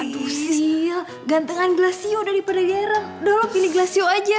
aduh sile gantengan glassio daripada darren udah lo pilih glassio aja